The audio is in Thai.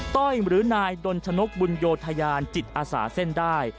ต้อยหรือนายดนชนกบุญโยธยานจิตอาสาเส้นได้